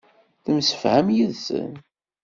Temsefham yid-sen.